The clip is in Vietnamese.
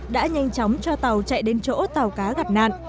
đã nhanh chóng cho tàu chạy đến chỗ tàu cá gặp nạn